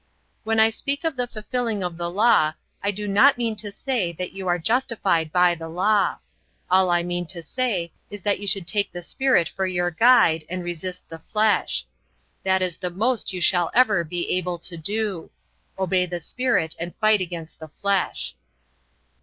"When I speak of the fulfilling of the Law I do not mean to say that you are justified by the Law. All I mean to say is that you should take the Spirit for your guide and resist the flesh. That is the most you shall ever be able to do. Obey the Spirit and fight against the flesh."